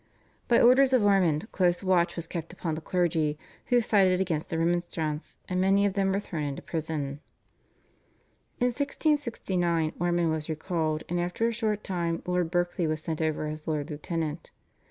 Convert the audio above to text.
By orders of Ormond close watch was kept upon the clergy who sided against the Remonstrance, and many of them were thrown into prison. In 1669 Ormond was recalled, and after a short time Lord Berkeley was sent over as Lord Lieutenant.